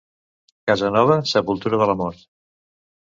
Casa nova, sepultura de la mort.